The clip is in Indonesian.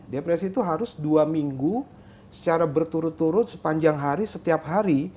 depresi itu harus dua minggu secara berturut turut sepanjang hari setiap hari